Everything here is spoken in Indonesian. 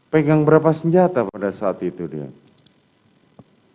pegang berapa senjata pada saat itu yang mulia